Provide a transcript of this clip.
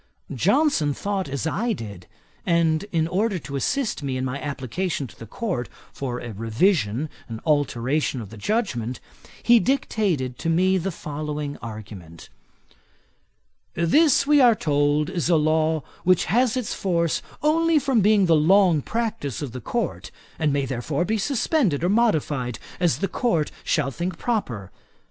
Johnson thought as I did; and in order to assist me in my application to the Court for a revision and alteration of the judgement, he dictated to me the following argument: 'This, we are told, is a law which has its force only from the long practice of the Court: and may, therefore, be suspended or modified as the Court shall think proper.